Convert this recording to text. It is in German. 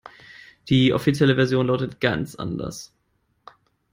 Die offizielle Version lautet ganz anders.